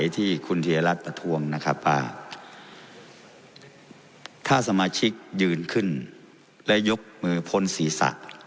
ถือว่าท่านสมาชิกยืนขึ้นแล้วยกมือพลศีรษะ